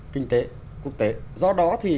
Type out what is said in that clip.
kinh tế quốc tế